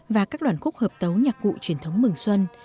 và các đoạn khúc hợp tấu nhạc cụ truyền thống mừng xuân